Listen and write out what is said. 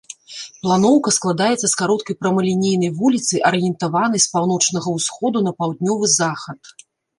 Планоўка складаецца з кароткай прамалінейнай вуліцы, арыентаванай з паўночнага ўсходу на паўднёвы захад.